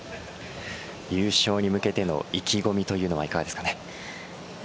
優勝に向けての意気込みというのはいかがですかね？